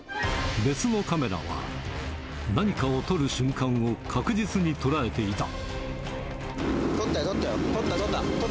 別のカメラは、何かをとる瞬間を確実に捉えていた。